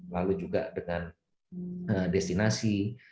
lalu juga dengan destinasi